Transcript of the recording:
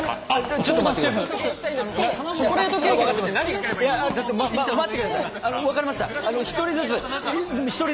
ちょっとだけ待って。